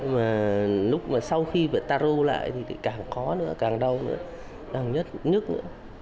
mà lúc mà sau khi bị tà rô lại thì càng khó nữa càng đau nữa càng nhức nữa